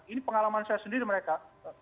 ini pengalaman saya sendiri mereka